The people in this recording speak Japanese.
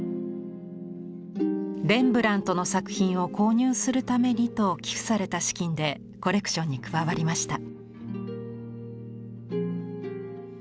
「レンブラントの作品を購入するために」と寄付された資金でコレクションに加わりました。